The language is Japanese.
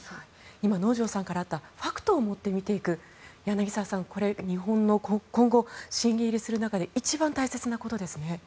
今、能條さんからあったファクトを持って見ていく柳澤さん、これ、日本の今後、審議入りする中で一番大切なことですね。